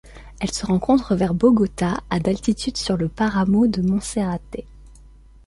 Elle se rencontre vers Bogota à d'altitude sur le páramo de Monserrate.